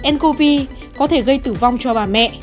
n cov có thể gây tử vong cho bà